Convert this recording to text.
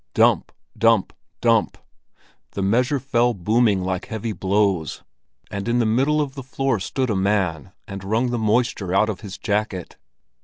Dump! Dump! Dump! The measure fell booming like heavy blows; and in the middle of the floor stood a man and wrung the moisture out of his jacket.